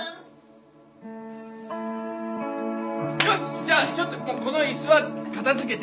じゃあちょっとこの椅子は片づけて。